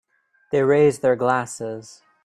They raise their glasses.